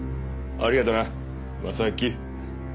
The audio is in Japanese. ありがとな征木。